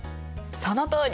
そのとおり。